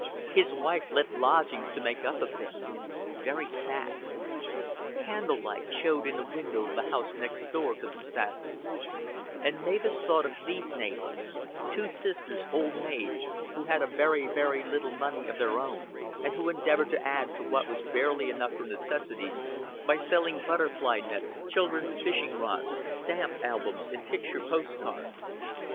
His wife let lodgings to make up a bit. Very sad. Candle light showed in a window of the house next door to the saddler's, and Mavis thought of these neighbors two sisters, old maids who had a very, very little money of their own and who endeavored to add to what was barely enough for necessities by selling butterfly nets, children's fishing rods, stamp albums, and picture post cards.